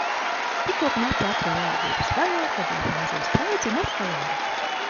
Tikko knapi atveru ārdurvis vaļā, kad jau pa mazo spraudziņu atkal ārā.